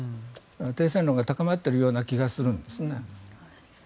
停戦論が高まっているような気がするんですよね。